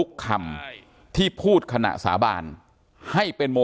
การแก้เคล็ดบางอย่างแค่นั้นเอง